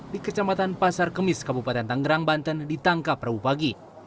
di kecamatan pasar kemis kabupaten tanggerang banten ditangkap rabu pagi